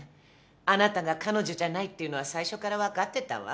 あなたが彼女じゃないっていうのは最初から分かってたわ。